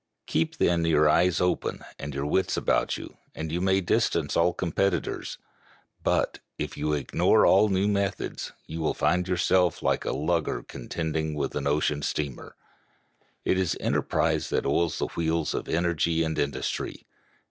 Keep, then, your eyes open and your wits about you, and you may distance all competitors; but, if you ignore all new methods, you will find yourself like a lugger contending with an ocean steamer. It is enterprise that oils the wheels of energy and industry.